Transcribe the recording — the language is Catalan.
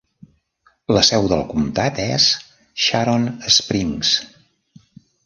La seu del comtat és Sharon Springs.